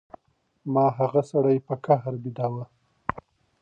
ما هغه سړی په قهر بېداوه.